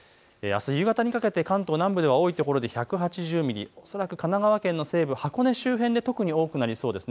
あす夕方にかけて関東南部では多いところで１８０ミリ、恐らく神奈川県の西部、箱根周辺で特に多くなりそうです。